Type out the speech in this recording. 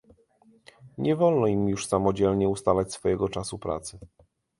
Nie wolno im już samodzielnie ustalać swojego czasu pracy